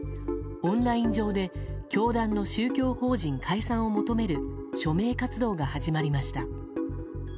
オンライン上で教団の宗教法人解散を求める署名活動が始まりました。